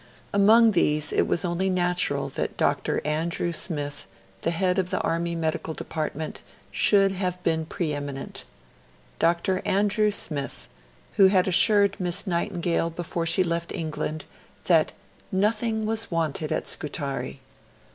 Among these it was only natural that Dr. Andrew Smith, the head of the Army Medical Department, should have been pre eminent Dr. Andrew Smith, who had assured Miss Nightingale before she left England that 'nothing was wanted at Scutari'.